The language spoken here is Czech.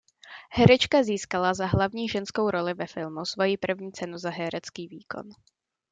Herečka získala za hlavní ženskou roli ve filmu svoji první cenu za herecký výkon.